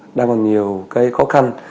nó đang còn nhiều cái khó khăn